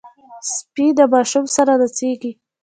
سپي د ماشوم سره نڅېږي.